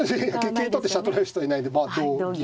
桂取って飛車取られる人はいないんでまあ同銀。